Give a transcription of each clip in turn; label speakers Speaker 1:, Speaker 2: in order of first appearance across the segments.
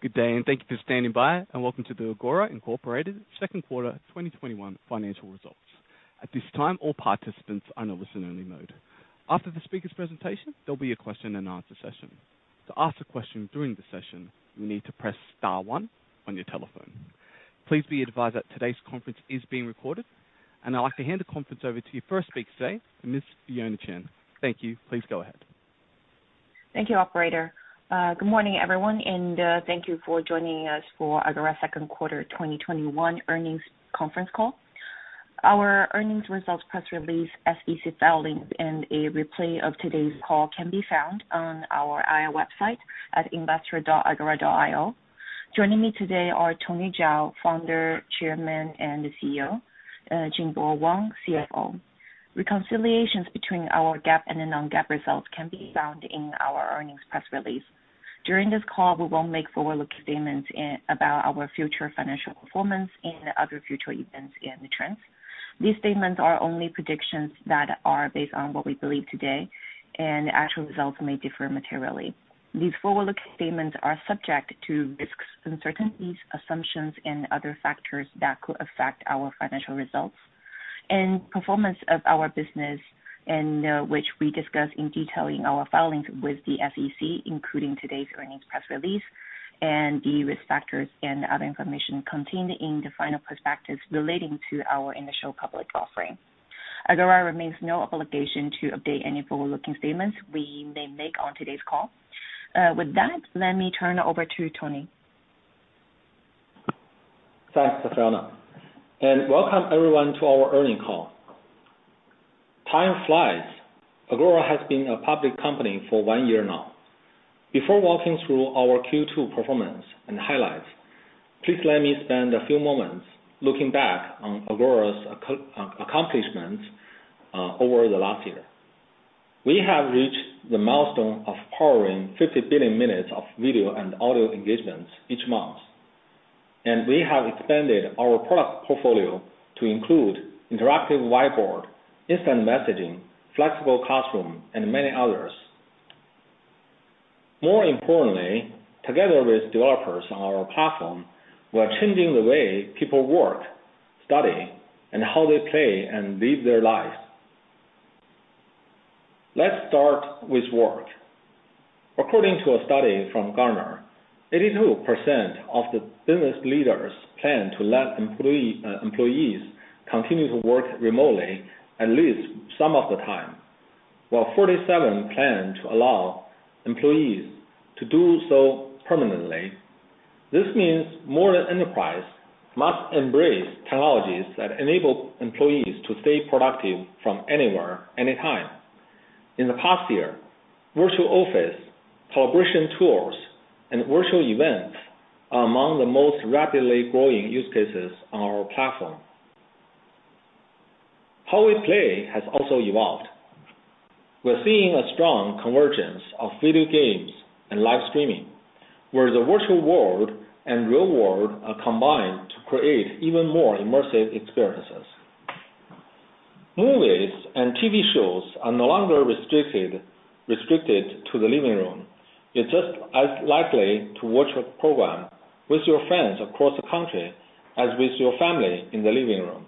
Speaker 1: Good day, and thank you for standing by, and welcome to the Agora Incorporated Second Quarter 2021 Financial Results. At this time, all participants are on a listen-only mode. After the speakers' presentation, there will be a question and answer session. To ask a question during the session, you need to press star one on your telephone. Please be advised that today's conference is being recorded, and I'd like to hand the conference over to you first speaker today, Ms. Fionna Chen. Thank you. Please go ahead.
Speaker 2: Thank you, operator. Good morning, everyone, and thank you for joining us for Agora Second Quarter 2021 Earnings Conference Call. Our earnings results press release, SEC filings, and a replay of today's call can be found on our IR website at investor.agora.io. Joining me today are Tony Zhao, Founder, Chairman, and CEO, Jingbo Wang, CFO. Reconciliations between our GAAP and non-GAAP results can be found in our earnings press release. During this call, we will make forward-looking statements about our future financial performance and other future events and trends. These statements are only predictions that are based on what we believe today, and the actual results may differ materially. These forward-looking statements are subject to risks, uncertainties, assumptions, and other factors that could affect our financial results and performance of our business, and which we discuss in detail in our filings with the SEC, including today's earnings press release and the risk factors and other information contained in the final prospectus relating to our initial public offering. Agora remains in no obligation to update any forward-looking statements we may make on today's call. With that, let me turn it over to Tony.
Speaker 3: Thanks, Fionna. Welcome everyone to our earnings call. Time flies. Agora has been a public company for one year now. Before walking through our Q2 performance and highlights, please let me spend a few moments looking back on Agora's accomplishments over the last year. We have reached the milestone of powering 50 billion minutes of video and audio engagements each month, and we have expanded our product portfolio to include interactive whiteboard, instant messaging, flexible classroom, and many others. More importantly, together with developers on our platform, we are changing the way people work, study, and how they play and live their lives. Let's start with work. According to a study from Gartner, 82% of the business leaders plan to let employees continue to work remotely at least some of the time, while 47 plan to allow employees to do so permanently. This means more enterprise must embrace technologies that enable employees to stay productive from anywhere, anytime. In the past year, virtual office, collaboration tools, and virtual events are among the most rapidly growing use cases on our platform. How we play has also evolved. We're seeing a strong convergence of video games and live streaming, where the virtual world and real world are combined to create even more immersive experiences. Movies and TV shows are no longer restricted to the living room. You're just as likely to watch a program with your friends across the country as with your family in the living room.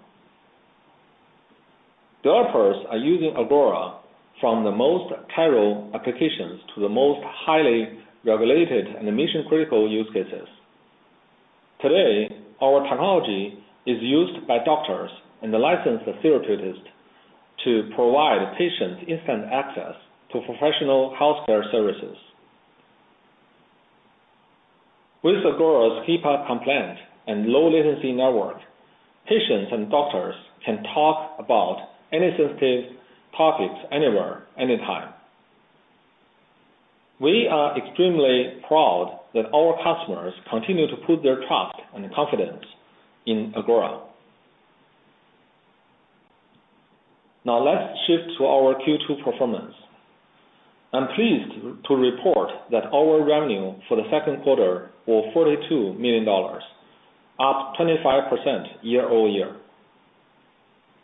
Speaker 3: Developers are using Agora from the most casual applications to the most highly regulated and mission-critical use cases. Today, our technology is used by doctors and licensed therapeutics to provide patients instant access to professional healthcare services. With Agora's HIPAA compliant and low latency network, patients and doctors can talk about any sensitive topics anywhere, anytime. We are extremely proud that our customers continue to put their trust and confidence in Agora. Now let's shift to our Q2 performance. I'm pleased to report that our revenue for the second quarter was $42 million, up 25% year-over-year.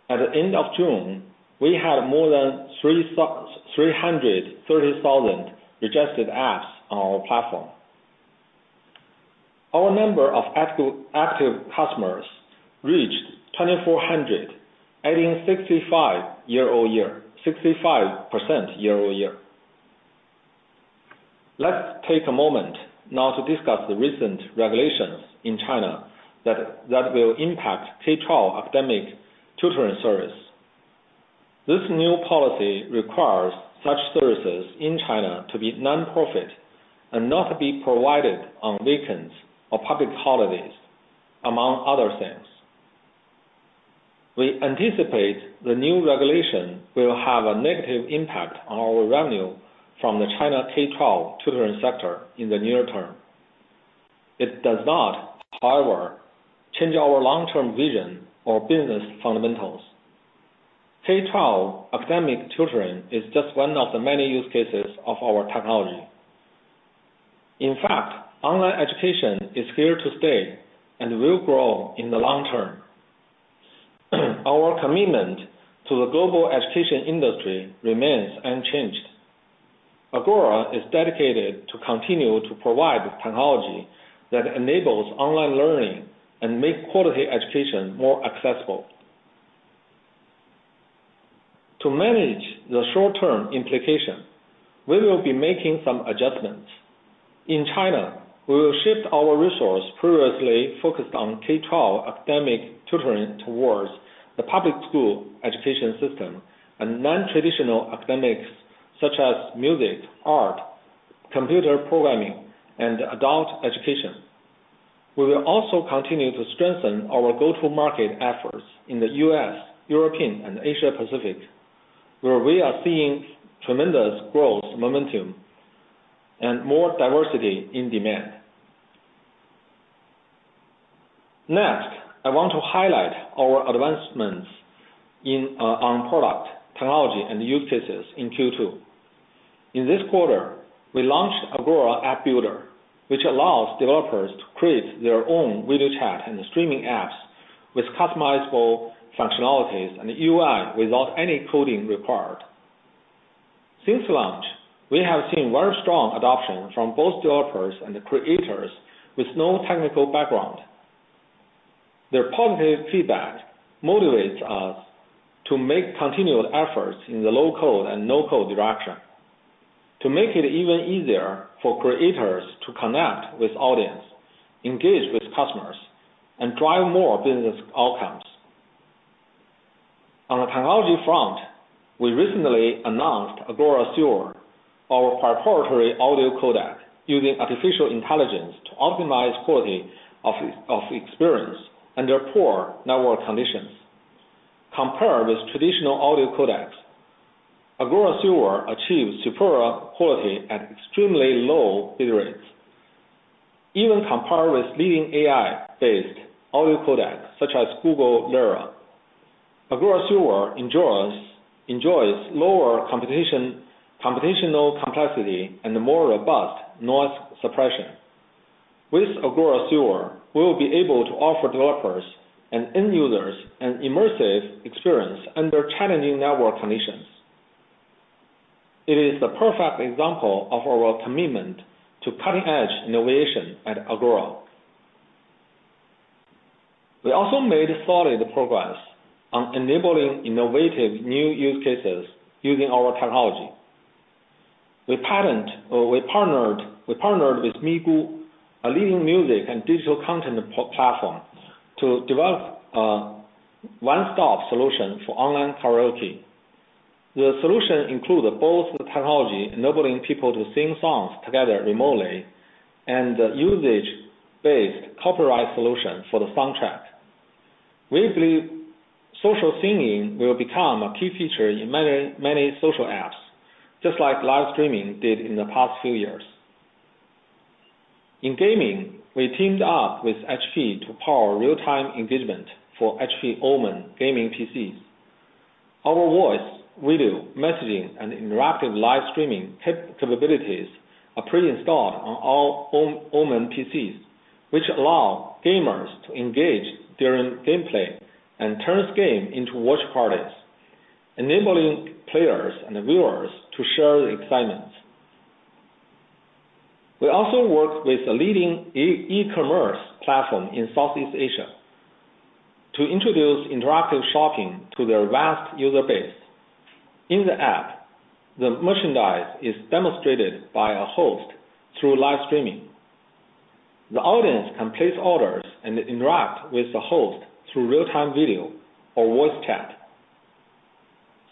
Speaker 3: At the end of June, we had more than 330,000 registered apps on our platform. Our number of active customers reached 2,400, adding 65% year-over-year. Let's take a moment now to discuss the recent regulations in China that will impact K-12 academic tutoring service. This new policy requires such services in China to be nonprofit and not be provided on weekends or public holidays, among other things. We anticipate the new regulation will have a negative impact on our revenue from the China K-12 tutoring sector in the near term. It does not, however, change our long-term vision or business fundamentals. K-12 academic tutoring is just one of the many use cases of our technology. In fact, online education is here to stay and will grow in the long term. Our commitment to the global education industry remains unchanged. Agora is dedicated to continue to provide technology that enables online learning and make quality education more accessible. To manage the short-term implication, we will be making some adjustments. In China, we will shift our resource previously focused on K-12 academic tutoring towards the public school education system and non-traditional academics such as music, art, computer programming, and adult education. We will also continue to strengthen our go-to-market efforts in the U.S., European, and Asia Pacific, where we are seeing tremendous growth, momentum, and more diversity in demand. I want to highlight our advancements on product technology and use cases in Q2. In this quarter, we launched Agora App Builder, which allows developers to create their own video chat and streaming apps with customizable functionalities and UI without any coding required. Since launch, we have seen very strong adoption from both developers and creators with no technical background. Their positive feedback motivates us to make continued efforts in the low-code and no-code direction to make it even easier for creators to connect with audience, engage with customers, and drive more business outcomes. On the technology front, we recently announced Agora Silver, our proprietary audio codec using artificial intelligence to optimize quality of experience under poor network conditions. Compared with traditional audio codecs, Agora Silver achieves superior quality at extremely low bit rates. Even compared with leading AI-based audio codecs such as Google Lyra. Agora Silver enjoys lower computational complexity and more robust noise suppression. With Agora Silver, we will be able to offer developers and end users an immersive experience under challenging network conditions. It is the perfect example of our commitment to cutting-edge innovation at Agora. We also made solid progress on enabling innovative new use cases using our technology. We partnered with Migu, a leading music and digital content platform, to develop a one-stop solution for online karaoke. The solution included both the technology enabling people to sing songs together remotely and usage-based copyright solution for the soundtrack. We believe social singing will become a key feature in many social apps, just like live streaming did in the past few years. In gaming, we teamed up with HP to power real-time engagement for HP OMEN gaming PCs. Our voice, video, messaging, and interactive live streaming capabilities are pre-installed on all OMEN PCs, which allow gamers to engage during gameplay and turns game into watch parties, enabling players and viewers to share the excitement. We also worked with a leading e-commerce platform in Southeast Asia to introduce interactive shopping to their vast user base. In the app, the merchandise is demonstrated by a host through live streaming. The audience can place orders and interact with the host through real-time video or voice chat.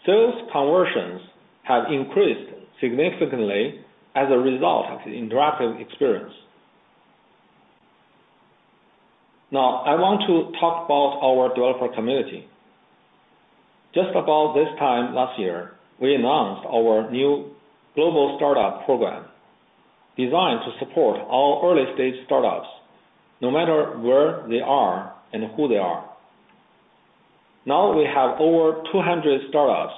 Speaker 3: Sales conversions have increased significantly as a result of the interactive experience. Now, I want to talk about our developer community. Just about this time last year, we announced our new global startup program designed to support all early-stage startups, no matter where they are and who they are. Now we have over 200 startups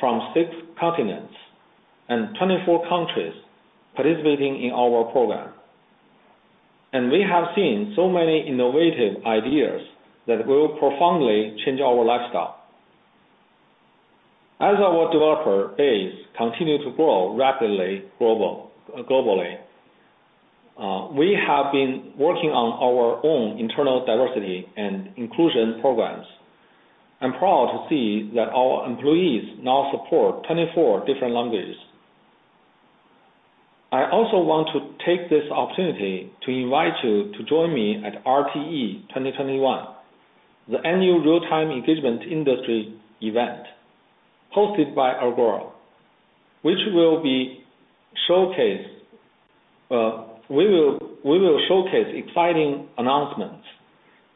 Speaker 3: from six continents and 24 countries participating in our program, and we have seen so many innovative ideas that will profoundly change our lifestyle. As our developer base continue to grow rapidly globally, we have been working on our own internal diversity and inclusion programs. I'm proud to see that our employees now support 24 different languages. I also want to take this opportunity to invite you to join me at RTE2021, the annual real-time engagement industry event hosted by Agora. We will showcase exciting announcements,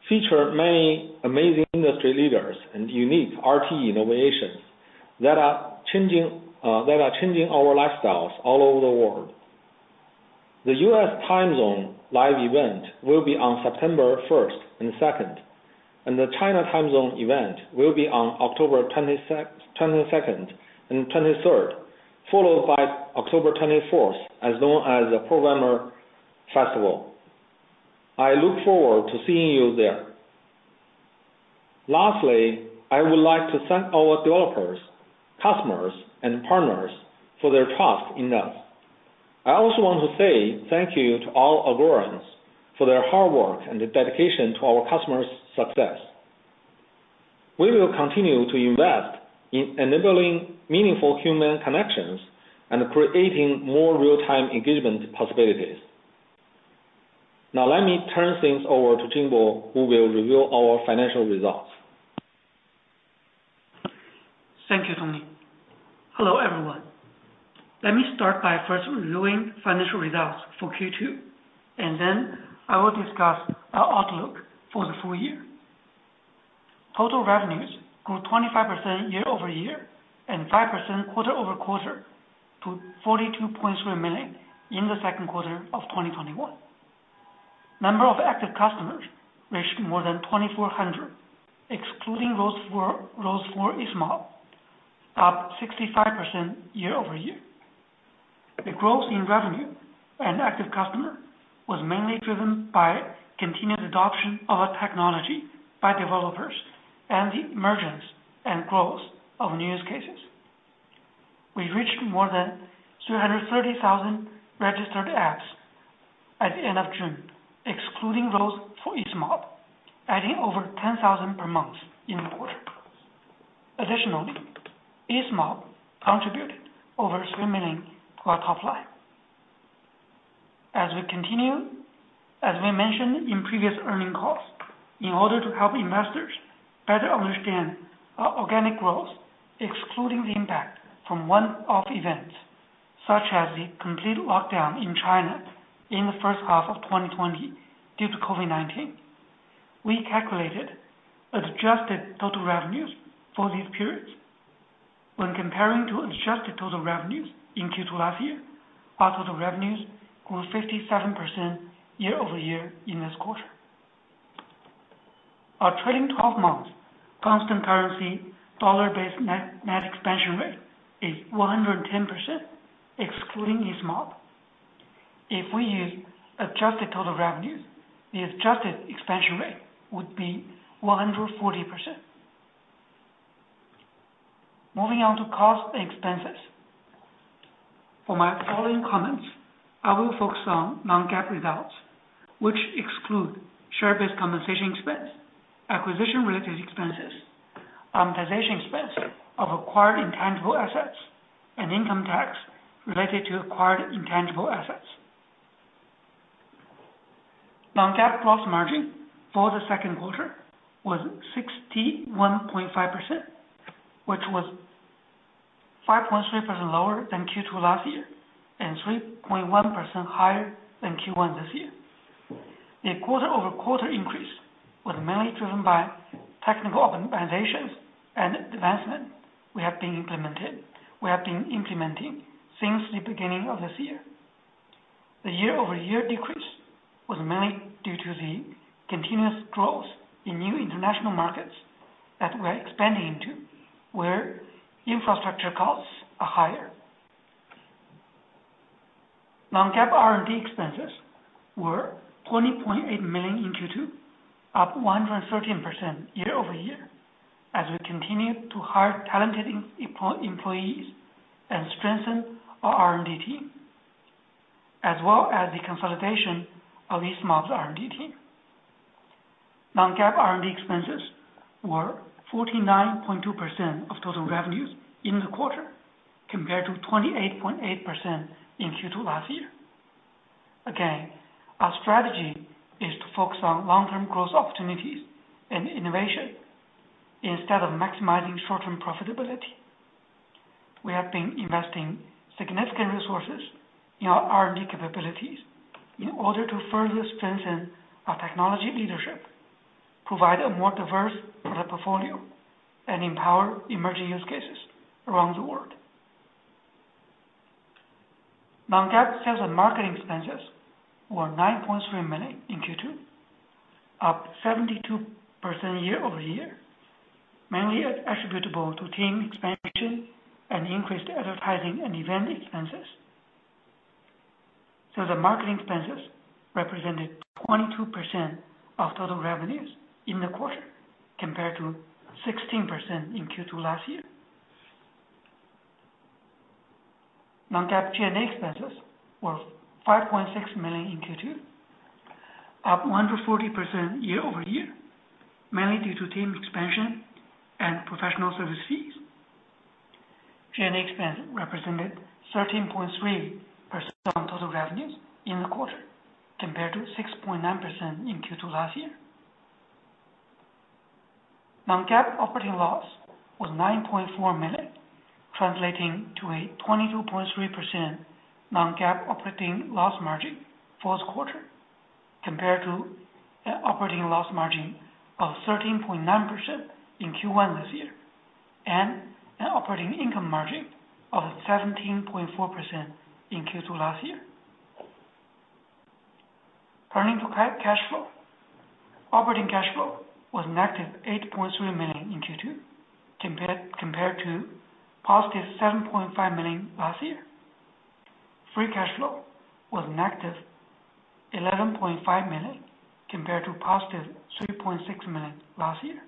Speaker 3: feature many amazing industry leaders and unique RTE innovations that are changing our lifestyles all over the world. The U.S. time zone live event will be on September 1st and 2nd, and the China time zone event will be on October 22nd and 23rd, followed by October 24th, as well as the programmer festival. I look forward to seeing you there. Lastly, I would like to thank our developers, customers, and partners for their trust in us. I also want to say thank you to all Agorans for their hard work and dedication to our customers' success. We will continue to invest in enabling meaningful human connections and creating more real-time engagement possibilities. Now let me turn things over to Jingbo, who will reveal our financial results.
Speaker 4: Thank you, Tony. Hello, everyone. Let me start by first reviewing financial results for Q2, and then I will discuss our outlook for the full year. Total revenues grew 25% year-over-year and 5% quarter-over-quarter to $42.3 million in the second quarter of 2021. Number of active customers reached more than 2,400, excluding those for Easemob, up 65% year-over-year. The growth in revenue and active customer was mainly driven by continued adoption of our technology by developers and the emergence and growth of new use cases. We reached more than 330,000 registered apps at the end of June, excluding those for Easemob, adding over 10,000 per month in the quarter. Additionally, Easemob contributed over $3 million to our top line. As we mentioned in previous earnings calls, in order to help investors better understand our organic growth, excluding the impact from one-off events such as the complete lockdown in China in the first half of 2020 due to COVID-19, we calculated adjusted total revenues for these periods. When comparing to adjusted total revenues in Q2 last year, our total revenues grew 57% year-over-year in this quarter. Our trailing 12 months constant currency dollar-based net expansion rate is 110%, excluding Easemob. If we use adjusted total revenues, the adjusted expansion rate would be 140%. Moving on to cost and expenses. For my following comments, I will focus on non-GAAP results, which exclude share-based compensation expense, acquisition-related expenses, amortization expense of acquired intangible assets, and income tax related to acquired intangible assets. Non-GAAP gross margin for the second quarter was 61.5%, which was 5.3% lower than Q2 last year and 3.1% higher than Q1 this year. The quarter-over-quarter increase was mainly driven by technical optimizations and advancement we have been implementing since the beginning of this year. The year-over-year decrease was mainly due to the continuous growth in new international markets that we're expanding into, where infrastructure costs are higher. non-GAAP R&D expenses were $20.8 million in Q2, up 113% year-over-year, as we continue to hire talented employees and strengthen our R&D team, as well as the consolidation of Easemob's R&D team. Non-GAAP R&D expenses were 49.2% of total revenues in the quarter, compared to 28.8% in Q2 last year. Our strategy is to focus on long-term growth opportunities and innovation instead of maximizing short-term profitability. We have been investing significant resources in our R&D capabilities in order to further strengthen our technology leadership, provide a more diverse product portfolio, and empower emerging use cases around the world. Non-GAAP sales and marketing expenses were $9.3 million in Q2, up 72% year-over-year, mainly attributable to team expansion and increased advertising and event expenses. The marketing expenses represented 22% of total revenues in the quarter, compared to 16% in Q2 last year. Non-GAAP G&A expenses was $5.6 million in Q2, up 140% year-over-year, mainly due to team expansion and professional service fees. G&A expense represented 13.3% of total revenues in the quarter, compared to 6.9% in Q2 last year. Non-GAAP operating loss was $9.4 million, translating to a 22.3% non-GAAP operating loss margin for the quarter, compared to an operating loss margin of 13.9% in Q1 this year, and an operating income margin of 17.4% in Q2 last year. Turning to cash. Operating cash flow was negative $8.3 million in Q2, compared to positive $7.5 million last year. Free cash flow was negative $11.5 million, compared to positive $3.6 million last year.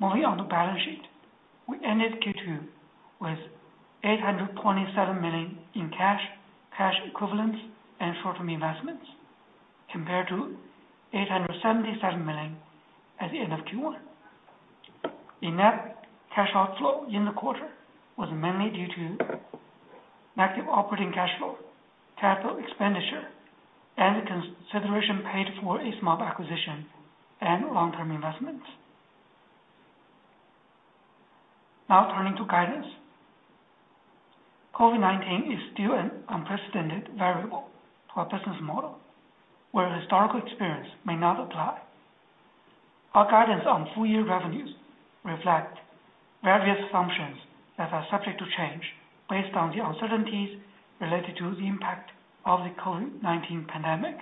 Speaker 4: Moving on to balance sheet. We ended Q2 with $827 million in cash equivalents, and short-term investments, compared to $877 million at the end of Q1. The net cash outflow in the quarter was mainly due to negative operating cash flow, capital expenditure, and consideration paid for Easemob acquisition and long-term investments. Now turning to guidance. COVID-19 is still an unprecedented variable to our business model, where historical experience may not apply. Our guidance on full-year revenues reflect various assumptions that are subject to change based on the uncertainties related to the impact of the COVID-19 pandemic.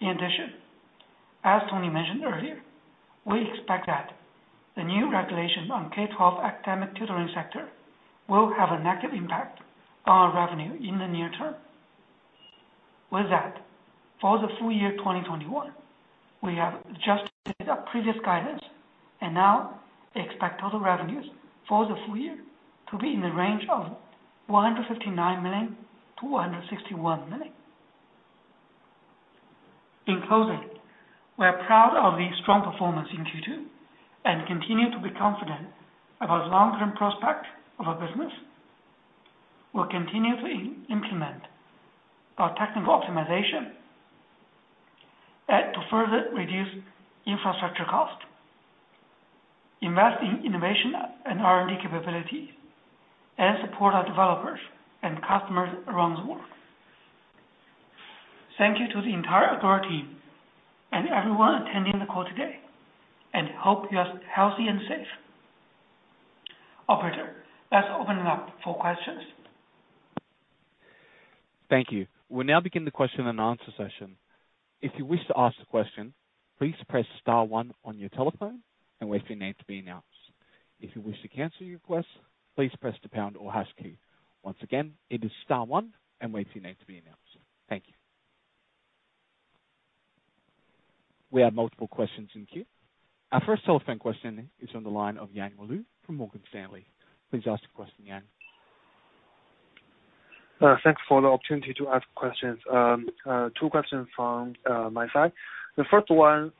Speaker 4: In addition, as Tony mentioned earlier, we expect that the new regulation on K-12 academic tutoring sector will have a negative impact on our revenue in the near term. With that, for the full year 2021, we have adjusted our previous guidance and now expect total revenues for the full year to be in the range of $159 million-$161 million. In closing, we are proud of the strong performance in Q2 and continue to be confident about the long-term prospect of our business. We'll continue to implement our technical optimization to further reduce infrastructure cost, invest in innovation and R&D capability, and support our developers and customers around the world. Thank you to the entire Agora team and everyone attending the call today, and hope you're healthy and safe. Operator, let's open it up for questions.
Speaker 1: Thank you. We'll now begin the question and answer session. If you wish to ask a question, please press star one on your telephone and wait for your name to be announced. If you wish to cancel your request, please press the pound or hash key. Once again, it is star one and wait for your name to be announced. Thank you. We have multiple questions in queue. Our first telephone question is on the line of Yang Liu from Morgan Stanley. Please ask the question, Yang.
Speaker 5: Thanks for the opportunity to ask questions. Two questions from my side. The first one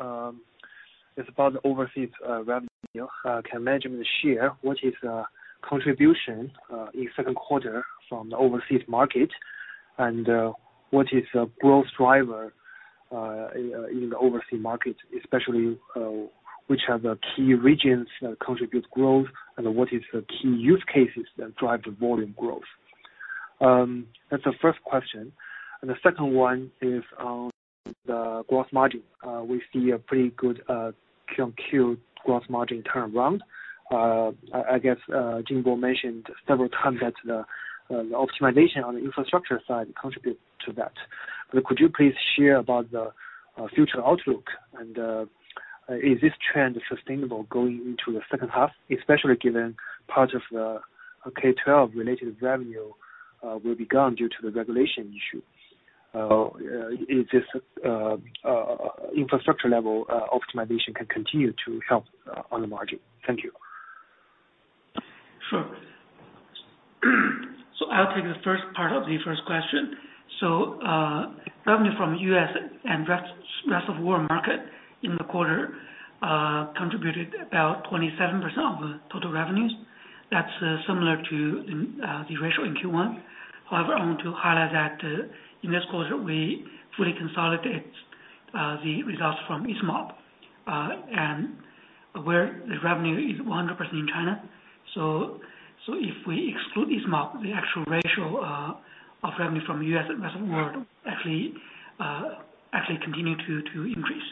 Speaker 5: is about the overseas revenue. Can you mention the share, what is the contribution in second quarter from the overseas market? What is the growth driver in the overseas market, especially which are the key regions that contribute growth, and what is the key use cases that drive the volume growth? That's the first question. The second one is on the gross margin. We see a pretty good QoQ gross margin turnaround. I guess Jingbo mentioned several times that the optimization on the infrastructure side contribute to that. Could you please share about the future outlook, and is this trend sustainable going into the second half, especially given part of the K-12 related revenue will be gone due to the regulation issue? If this infrastructure level optimization can continue to help on the margin. Thank you.
Speaker 4: Sure. I'll take the first part of the first question. Revenue from U.S. and rest of world market in the quarter contributed about 27% of the total revenues. That's similar to the ratio in Q1. However, I want to highlight that in this quarter, we fully consolidated the results from Easemob, and where the revenue is 100% in China. If we exclude Easemob, the actual ratio of revenue from U.S. and rest of the world actually continue to increase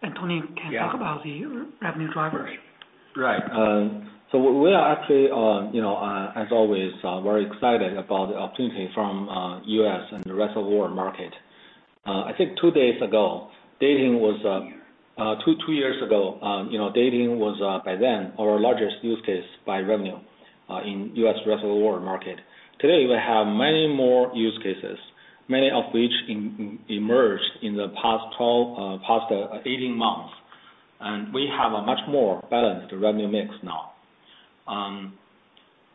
Speaker 4: and Tony can talk about the revenue drivers.
Speaker 3: Right. We are actually on, you know as always, very excited about the opportunity from U.S. and the rest of world market. I think two to three years ago, dating was by then our largest use case by revenue in U.S. and rest of the world market. Today, we have many more use cases, many of which emerged in the past 18 months. We have a much more balanced revenue mix now.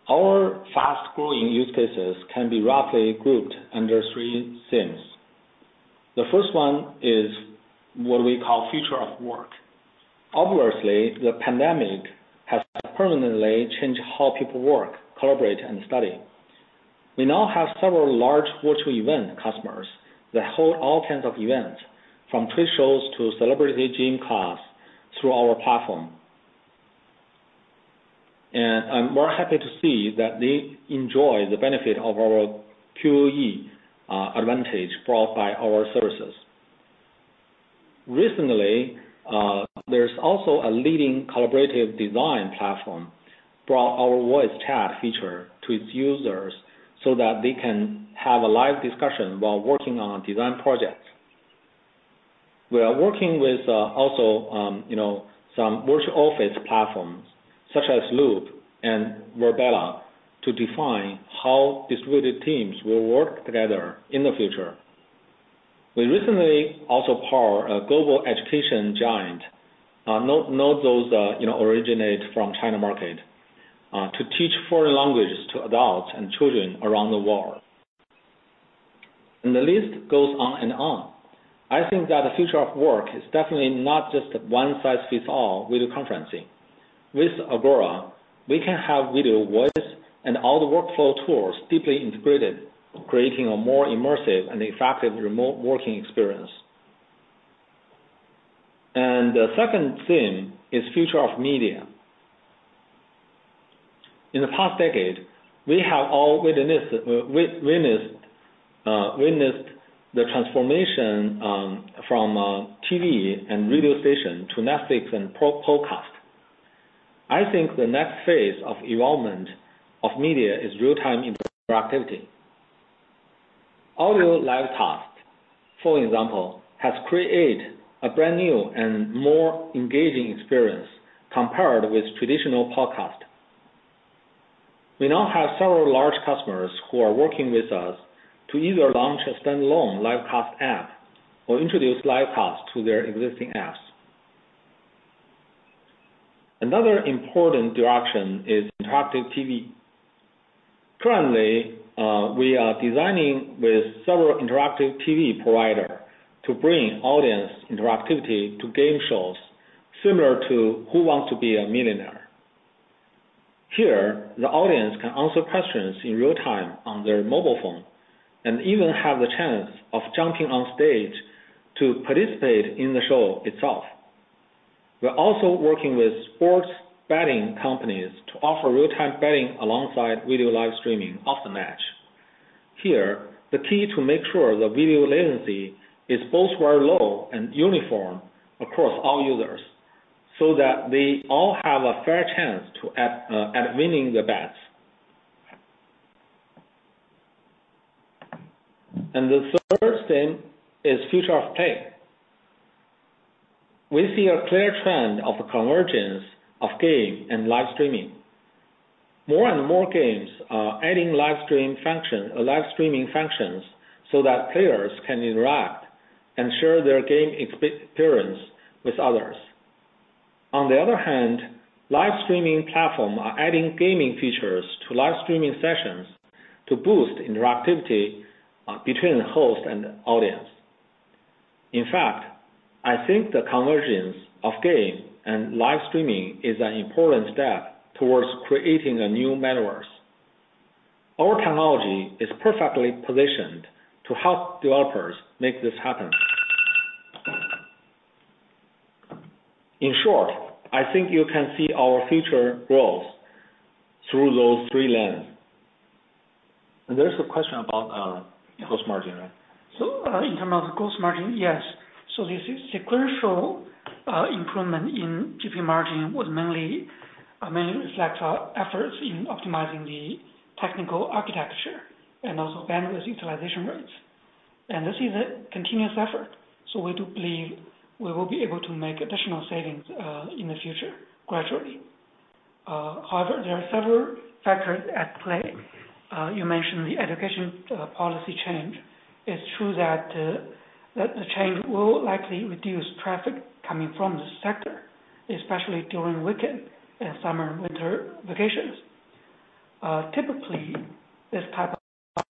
Speaker 3: Our fast-growing use cases can be roughly grouped under three themes. The first one is what we call future of work. Obviously, the pandemic has permanently changed how people work, collaborate, and study. We now have several large virtual event customers that hold all kinds of events, from trade shows to celebrity gym class, through our platform. I'm more happy to see that they enjoy the benefit of our QoE advantage brought by our services. Recently, there's also a leading collaborative design platform brought our voice chat feature to its users so that they can have a live discussion while working on design projects. We are working with also some virtual office platforms such as Loop and VirBELA to define how distributed teams will work together in the future. We recently also powered a global education giant, not those that originate from China market, to teach foreign languages to adults and children around the world. The list goes on and on. I think that the future of work is definitely not just one size fits all video conferencing. With Agora, we can have video, voice, and all the workflow tools deeply integrated, creating a more immersive and effective remote working experience. The second theme is future of media. In the past decade, we have all witnessed the transformation from TV and radio stations to Netflix and podcast. I think the next phase of evolvement of media is real-time interactivity. Audio live cast, for example, has created a brand new and more engaging experience compared with traditional podcast. We now have several large customers who are working with us to either launch a standalone live cast app or introduce live cast to their existing apps. Another important direction is interactive TV. Currently, we are designing with several interactive TV provider to bring audience interactivity to game shows similar to Who Wants to Be a Millionaire? Here, the audience can answer questions in real-time on their mobile phone and even have the chance of jumping on stage to participate in the show itself. We're also working with sports betting companies to offer real-time betting alongside video live streaming of the match. Here, the key to make sure the video latency is both very low and uniform across all users, so that they all have a fair chance at winning the bets. The third theme is future of play. We see a clear trend of convergence of game and live streaming. More and more games are adding live streaming functions so that players can interact and share their game experience with others. On the other hand, live streaming platforms are adding gaming features to live streaming sessions to boost interactivity between the host and the audience. In fact, I think the convergence of game and live streaming is an important step towards creating a new metaverse. Our technology is perfectly positioned to help developers make this happen. In short, I think you can see our future growth through those three lens.
Speaker 5: There's a question about our cost margin, right?
Speaker 4: In terms of cost margin, yes. This is sequential improvement in GP margin would mainly reflect our efforts in optimizing the technical architecture and also bandwidth utilization rates. This is a continuous effort, so we do believe we will be able to make additional savings in the future gradually. However, there are several factors at play. You mentioned the education policy change. It's true that the change will likely reduce traffic coming from this sector, especially during weekend and summer and winter vacations. Typically, this type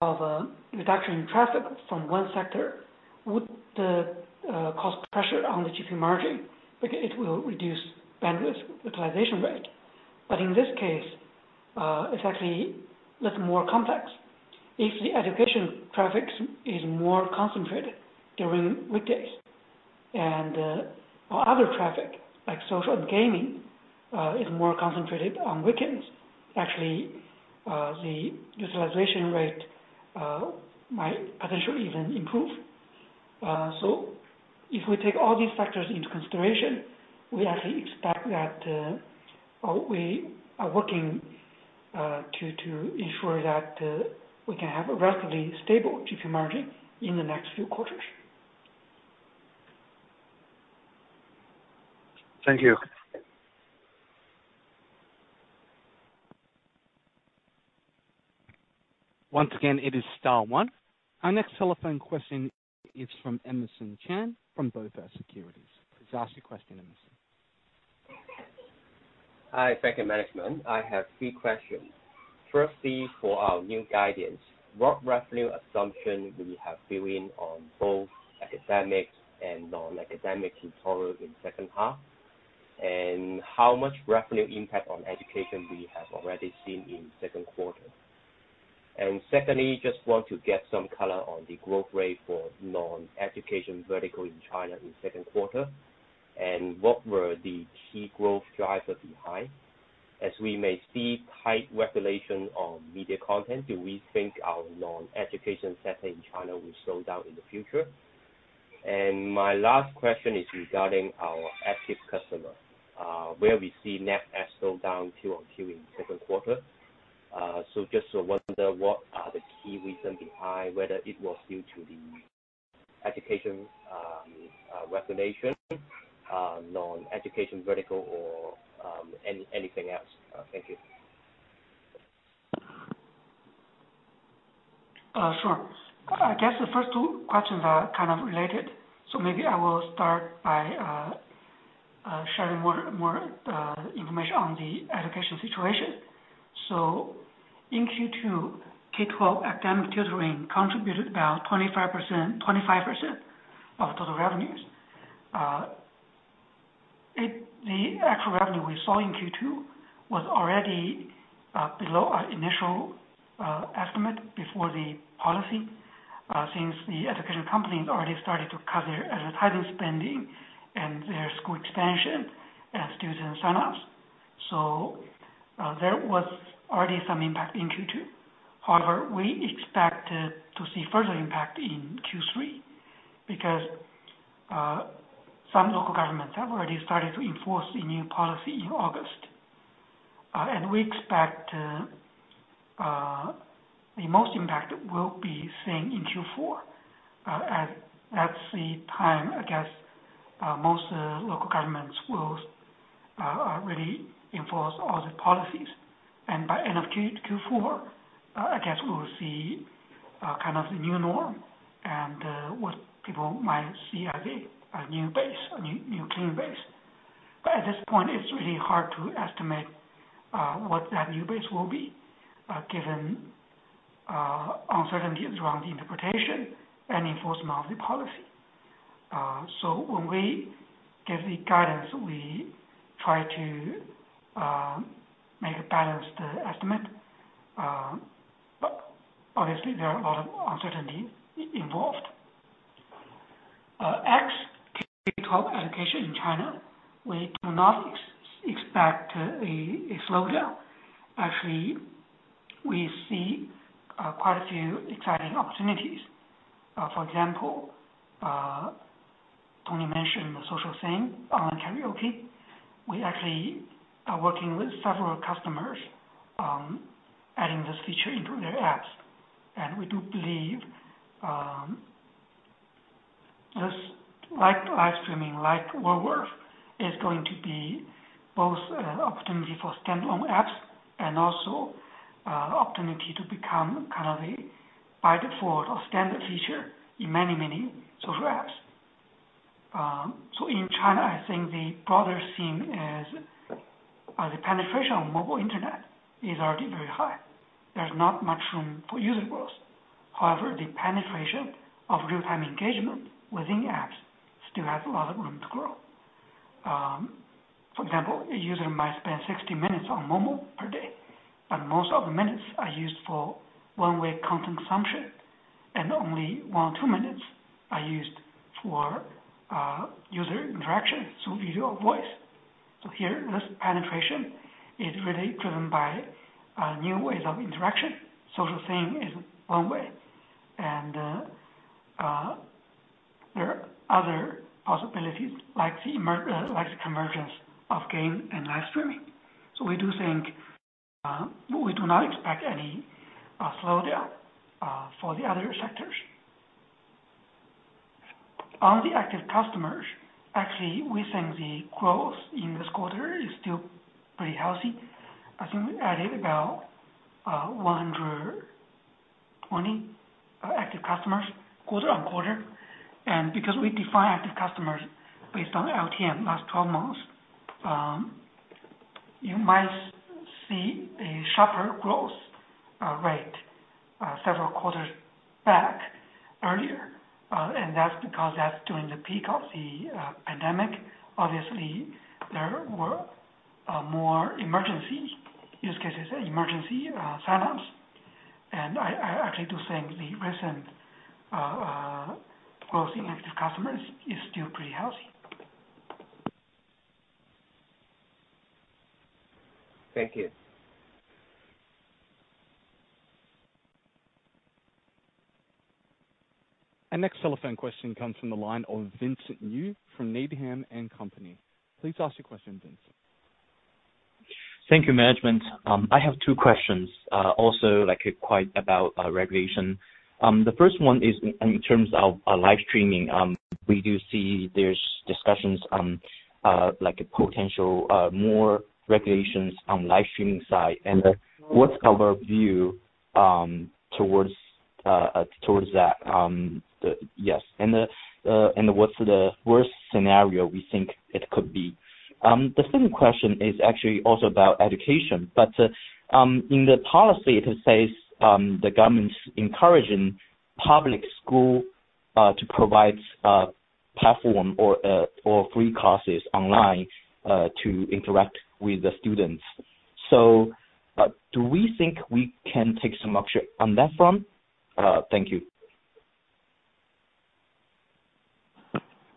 Speaker 4: of reduction in traffic from one sector would cause pressure on the GP margin because it will reduce bandwidth utilization rate. In this case, it's actually a little more complex. If the education traffic is more concentrated during weekdays and other traffic, like social and gaming, is more concentrated on weekends, actually, the utilization rate might potentially even improve. If we take all these factors into consideration, we actually expect that we are working to ensure that we can have a relatively stable GP margin in the next few quarters.
Speaker 5: Thank you.
Speaker 1: Once again, it is star one. Our next telephone question is from Emerson Chan from BofA Securities. Please ask your question, Emerson.
Speaker 6: Hi, thank you, management. I have three questions. Firstly, for our new guidance, what revenue assumption we have built in on both academics and non-academic tutorials in second half? How much revenue impact on education we have already seen in second quarter? Secondly, just want to get some color on the growth rate for non-education vertical in China in second quarter. What were the key growth drivers behind? As we may see tight regulation on media content, do we think our non-education sector in China will slow down in the future? My last question is regarding our active customer, where we see net adds slow down QoQ in second quarter. Just to wonder what are the key reasons behind whether it was due to the education regulation, non-education vertical or anything else? Thank you.
Speaker 4: Sure. I guess the first two questions are kind of related. Maybe I will start by sharing more information on the education situation. In Q2, K-12 academic tutoring contributed about 25% of total revenues. The actual revenue we saw in Q2 was already below our initial estimate before the policy since the education companies already started to cut their advertising spending and their school expansion and student sign-ups. There was already some impact in Q2. However, we expected to see further impact in Q3 because some local governments have already started to enforce the new policy in August. We expect the most impact will be seen in Q4, as that's the time, I guess, most local governments will really enforce all the policies. By end of Q4, I guess we will see the new norm and what people might see as a new base, a new clean base. At this point, it's really hard to estimate what that new base will be given uncertainties around the interpretation and enforcement of the policy. When we give the guidance, we try to make a balanced estimate. Obviously, there are a lot of uncertainties involved. Ex: K-12 education in China, we do not expect a slowdown. Actually, we see quite a few exciting opportunities. For example, Tony mentioned the social singing on karaoke. We actually are working with several customers adding this feature into their apps. We do believe, just like live streaming, like worldwide, is going to be both an opportunity for standalone apps and also an opportunity to become a by default or standard feature in many, many social apps. In China, I think the broader theme is the penetration of mobile internet is already very high. There's not much room for user growth. However, the penetration of real-time engagement within apps still has a lot of room to grow. For example, a user might spend 60 minutes on Momo per day, but most of the minutes are used for one-way content consumption, and only one or two minutes are used for user interaction through video or voice. Here, this penetration is really driven by new ways of interaction. Social singing is one way, and there are other possibilities like the convergence of game and live streaming. We do not expect any slowdown for the other sectors. On the active customers, actually, we think the growth in this quarter is still pretty healthy. I think we added about 120 active customers quarter-on-quarter. Because we define active customers based on LTM, last 12 months, you might see a sharper growth rate several quarters back earlier, and that's because that's during the peak of the pandemic. Obviously, there were more emergency use cases, emergency sign-ups. I actually do think the recent closing active customers is still pretty healthy.
Speaker 6: Thank you.
Speaker 1: Our next telephone question comes from the line of Vincent Yu from Needham & Company. Please ask your question, Vincent.
Speaker 7: Thank you, management. I have two questions also quite about regulation. The first one is in terms of live streaming. We do see there's discussions on potential more regulations on live streaming side. What's our view towards that? Yes. What's the worst scenario we think it could be? The second question is actually also about education. In the policy, it says the government's encouraging public school to provide platform or free classes online to interact with the students. Do we think we can take some upshare on that front? Thank you.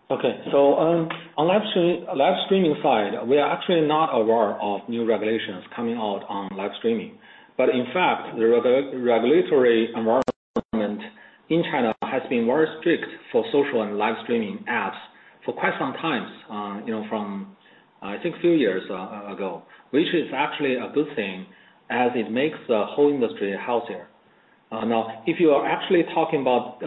Speaker 3: Okay. On the live streaming side, we are actually not aware of new regulations coming out on live streaming. In fact, the regulatory environment in China has been very strict for social and live streaming apps for quite some time, from I think a few years ago. Which is actually a good thing, as it makes the whole industry healthier. If you are actually talking about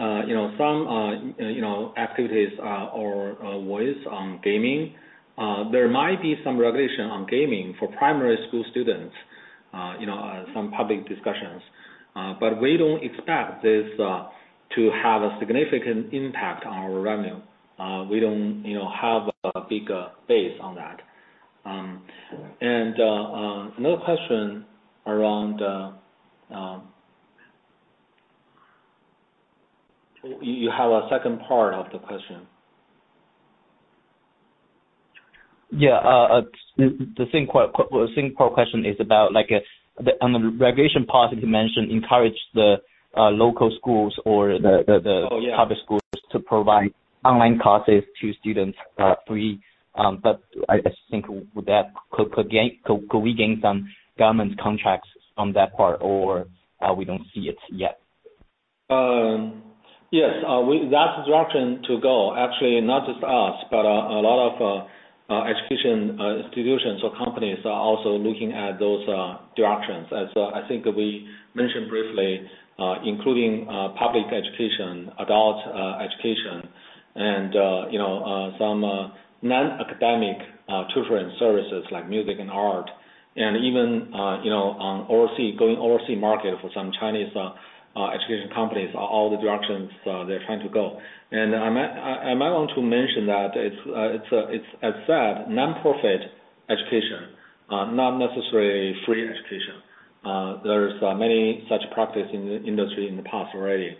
Speaker 3: some activities or voice on gaming, there might be some regulation on gaming for primary school students, some public discussions. We don't expect this to have a significant impact on our revenue. We don't have a big base on that. Another question around the, you have a second part of the question?
Speaker 7: Yeah. The second part question is about on the regulation part that you mentioned, encourage the local schools.
Speaker 3: Yeah.
Speaker 7: Public schools to provide online classes to students for free. I just think, could we gain some government contracts from that part, or we don't see it yet?
Speaker 3: Yes. That's the direction to go. Actually, not just us, but a lot of education institutions or companies are also looking at those directions, as I think we mentioned briefly, including public education, adult education, and some non-academic tutoring services like music and art, and even going overseas market for some Chinese education companies are all the directions they're trying to go. I might want to mention that it's, as said, nonprofit education, not necessarily free education. There's many such practice in the industry in the past already.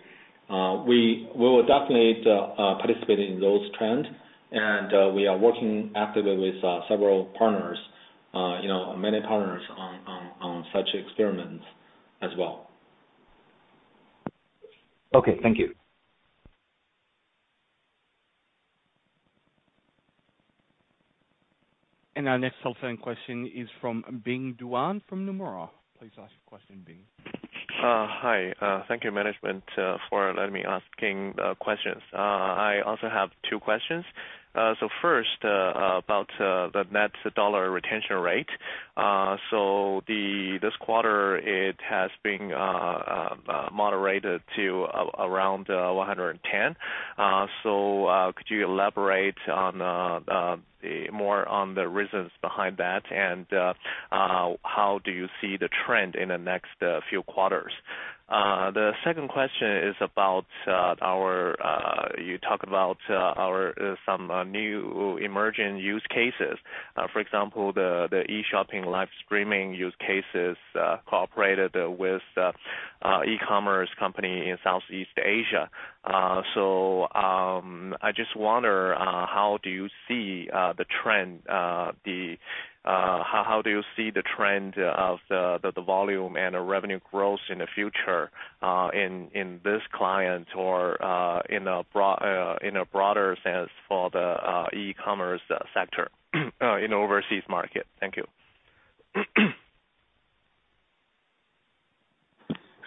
Speaker 3: We will definitely participate in those trends, and we are working actively with several partners, many partners on such experiments as well.
Speaker 7: Okay. Thank you.
Speaker 1: Our next telephone question is from Bing Duan from Nomura. Please ask your question, Bing.
Speaker 8: Hi. Thank you, management, for letting me ask questions. I also have two questions. First, about the net dollar retention rate. This quarter, it has been moderated to around 110%. Could you elaborate more on the reasons behind that, and how do you see the trend in the next few quarters? The second question is about you talk about some new emerging use cases. For example, the e-shopping live streaming use cases cooperated with e-commerce company in Southeast Asia. I just wonder, how do you see the trend of the volume and the revenue growth in the future in this client or in a broader sense for the e-commerce sector in overseas market? Thank you.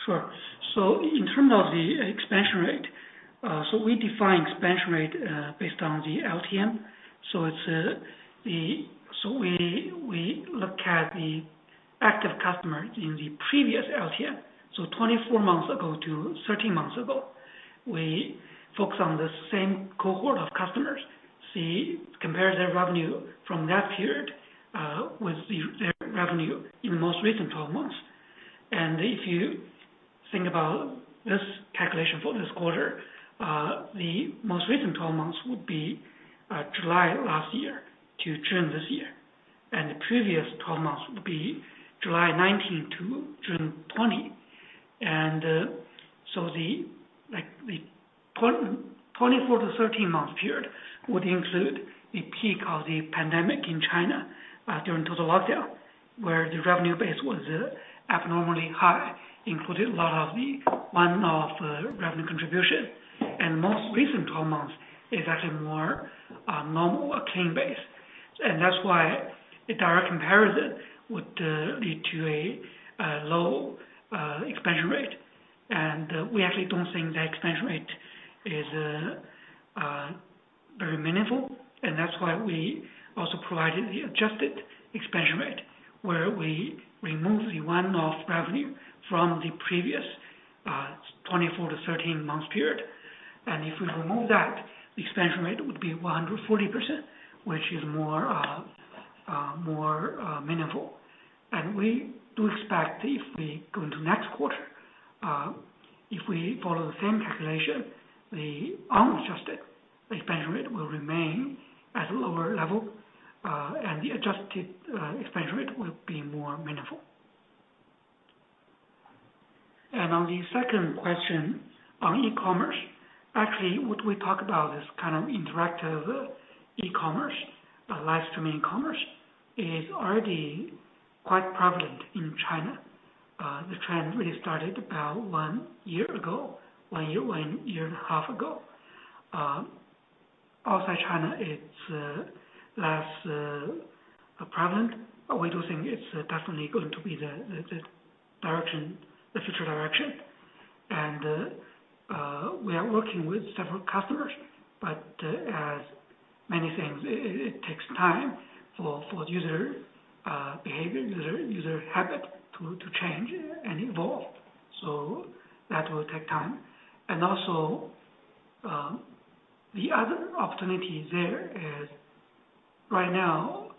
Speaker 4: Sure. In terms of the expansion rate, we define expansion rate based on the LTM. We look at the active customers in the previous LTM, 24 months ago to 13 months ago. We focus on the same cohort of customers, compare their revenue from that period with their revenue in most recent 12 months. If you think about this calculation for this quarter, the most recent 12 months would be July last year to June this year, and the previous 12 months would be July 2019 to June 2020. The 24 months to 13 months period would include the peak of the pandemic in China during total lockdown, where the revenue base was abnormally high, included a lot of the one-off revenue contribution. Most recent 12 months is actually more normal, clean base. That's why a direct comparison would lead to a low expansion rate. We actually don't think the expansion rate is very meaningful, and that's why we also provided the adjusted expansion rate, where we remove the one-off revenue from the previous 24 months to 13 months period. If we remove that, the expansion rate would be 140%, which is more meaningful. We do expect if we go into next quarter, if we follow the same calculation, the unadjusted expansion rate will remain at a lower level, and the adjusted expansion rate will be more meaningful. On the second question on e-commerce, actually, what we talk about is kind of interactive e-commerce, but live streaming commerce is already quite prevalent in China. The trend really started about one year ago, one year and a half ago. Outside China, it's less prevalent, but we do think it's definitely going to be the future direction. We are working with several customers, but as many things, it takes time for user behavior, user habit to change and evolve. That will take time. And also, the other opportunity there is right now,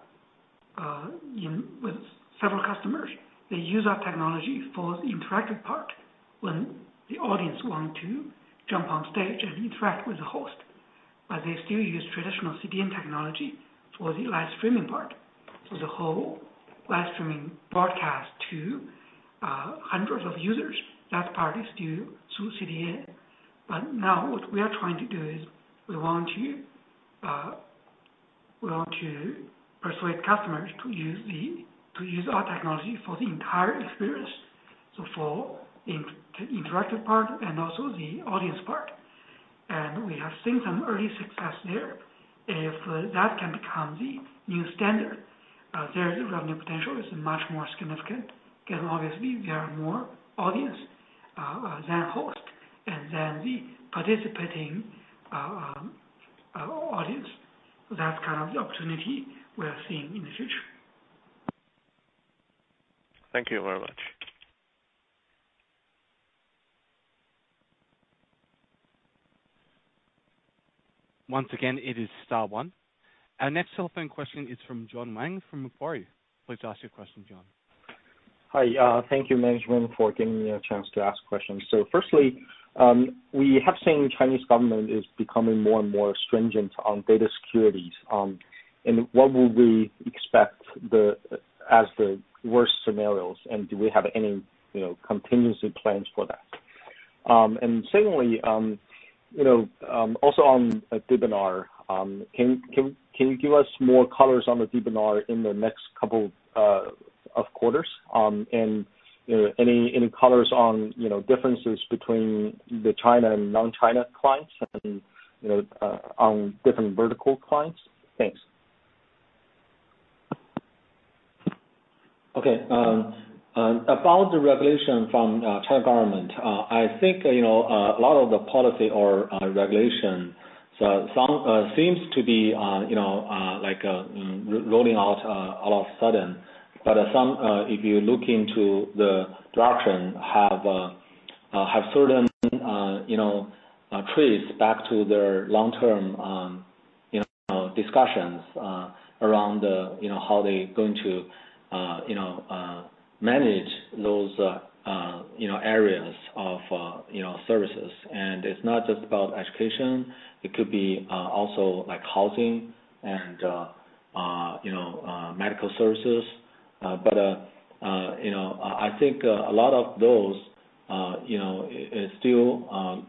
Speaker 4: with several customers, they use our technology for the interactive part when the audience want to jump on stage and interact with the host. They still use traditional CDN technology for the live streaming part. The whole live streaming broadcast to hundreds of users, that part is still through CDN. Now what we are trying to do is we want to persuade customers to use our technology for the entire experience. For the interactive part and also the audience part. We have seen some early success there. If that can become the new standard, their revenue potential is much more significant, because obviously there are more audience than host, and then the participating audience. That's kind of the opportunity we are seeing in the future.
Speaker 8: Thank you very much.
Speaker 1: Once again, it is star one. Our next telephone question is from John Wang from Macquarie. Please ask your question, John.
Speaker 9: Hi. Thank you, management, for giving me a chance to ask questions. Firstly, we have seen Chinese government is becoming more and more stringent on data securities. What would we expect as the worst scenarios, and do we have any contingency plans for that? Secondly, also on the DBNER. Can you give us more colors on the DBNER in the next couple of quarters? Any colors on differences between the China and non-China clients and on different vertical clients? Thanks.
Speaker 3: Okay. About the regulation from China government, I think a lot of the policy or regulation seems to be rolling out all of a sudden. If you look into the direction, have certain trace back to their long-term discussions around how they're going to manage those areas of services. It's not just about education. It could be also housing and medical services. I think a lot of those, is still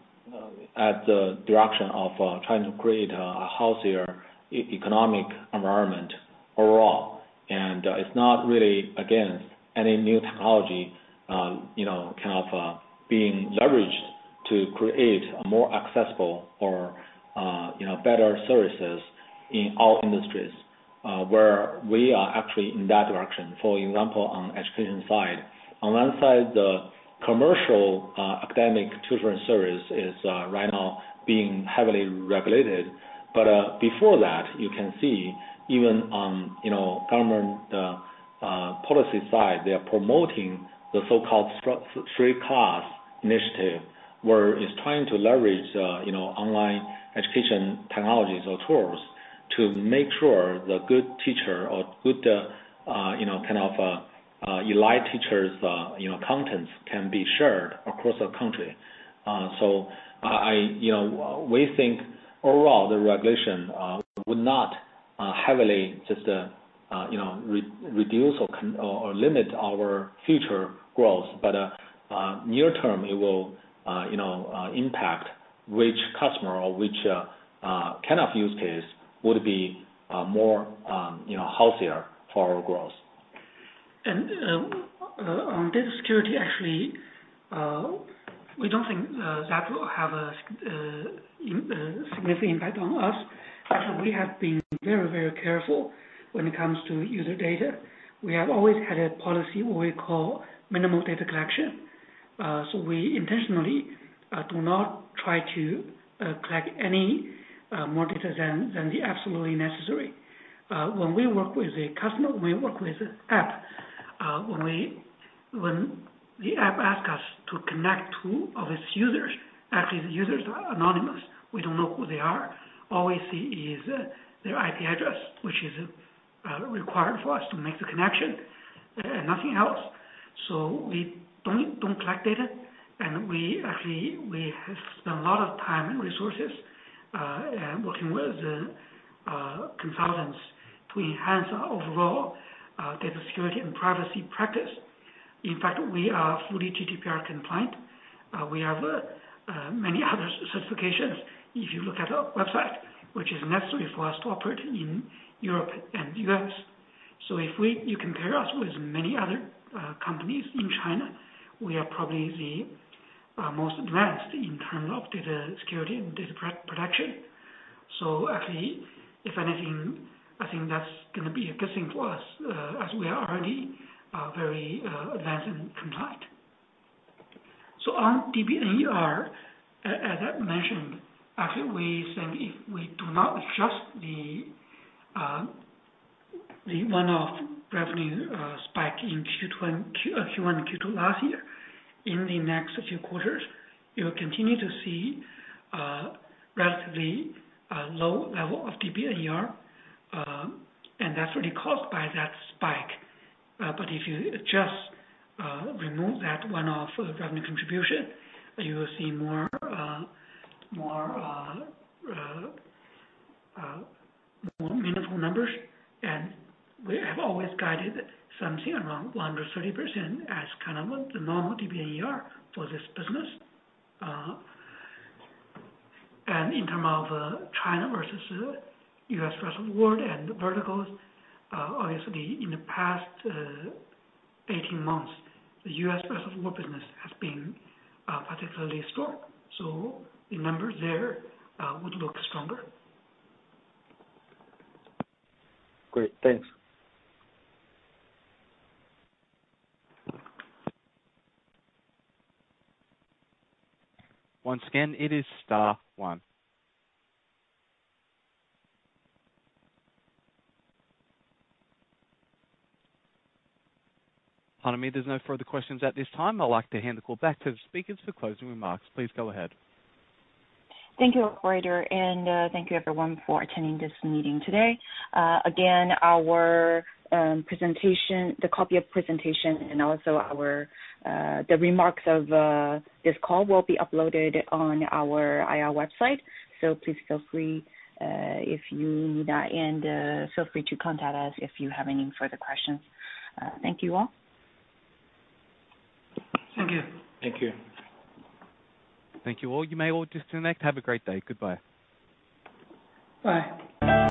Speaker 3: at the direction of trying to create a healthier economic environment overall. It's not really against any new technology, you know kind of being leveraged to create a more accessible or a better services in all industries, where we are actually in that direction. For example, on education side, on one side, the commercial academic tutoring service is right now being heavily regulated. But before that, you can see even on government policy side, they are promoting the so-called free class initiative, where it's trying to leverage online education technologies or tools to make sure the good teacher or good elite teachers' contents can be shared across the country. We think overall, the regulation would not heavily just reduce or limit our future growth. Near term, it will impact which customer or which kind of use case would be more healthier for our growth.
Speaker 4: On data security, actually, we don't think that will have a significant impact on us. Actually, we have been very careful when it comes to user data. We have always had a policy we call minimal data collection. We intentionally do not try to collect any more data than the absolutely necessary. When we work with a customer, we work with an app. When the app asks us to connect to all its users, actually, the users are anonymous. We don't know who they are. All we see is their IP address, which is required for us to make the connection, and nothing else. We don't collect data, and we have spent a lot of time and resources working with the consultants to enhance our overall data security and privacy practice. In fact, we are fully GDPR compliant. We have many other certifications if you look at our website, which is necessary for us to operate in Europe and U.S. If you compare us with many other companies in China, we are probably the most advanced in terms of data security and data protection. Actually, if anything, I think that's going to be a good thing for us as we are already very advanced and compliant. On DBNER, as I mentioned, actually, we think if we do not adjust the one-off revenue spike in Q1 and Q2 last year, in the next few quarters, you'll continue to see a relatively low level of DBNER, and that's really caused by that spike. If you just remove that one-off revenue contribution, you will see more meaningful numbers. We have always guided something around 130% as kind of the normal DBNER for this business. In terms of China versus U.S. versus world and verticals, obviously in the past 18 months, the U.S. versus world business has been particularly strong, so the numbers there would look stronger.
Speaker 9: Great. Thanks.
Speaker 1: Once again, it is star one. As there is no further questions at this time. I would like to hand the call back to the speakers for closing remarks. Please go ahead.
Speaker 2: Thank you, operator, and thank you everyone for attending this meeting today. Again, our presentation, the copy of presentation and also our the remarks of this call will be uploaded on our IR website, so please feel free if you need that, and feel free to contact us if you have any further questions. Thank you all.
Speaker 4: Thank you.
Speaker 3: Thank you.
Speaker 1: Thank you all. You may all disconnect. Have a great day. Goodbye.
Speaker 4: Bye.